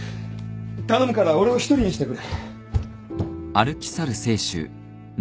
頼むから俺を一人にしてくれ。